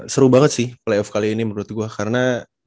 seru banget sih playoff kali ini menurut gue karena